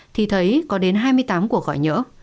thì thấy có đến hai mươi tám cuộc gọi nhỡ